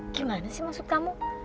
gimana sih maksud kamu